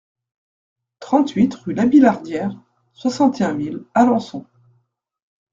trente-huit rue Labillardière, soixante et un mille Alençon